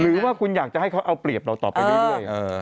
หรือว่าคุณอยากจะให้เขาเอาเปรียบเราต่อไปเรื่อย